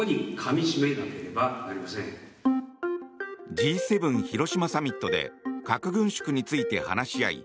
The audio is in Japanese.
Ｇ７広島サミットで核軍縮について話し合い